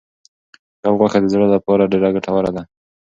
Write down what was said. کب غوښه د زړه لپاره ډېره ګټوره ده.